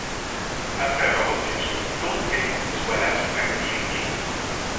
Après avoir obtenu son diplôme, elle épouse Wallace McNeill Greene.